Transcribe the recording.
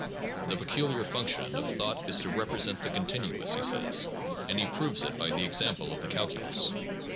The peculiar function of thought is to represent the continuous, he says, and he proves it by the exam ple of the calculus.